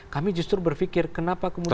kami justru berpikir kenapa kemudian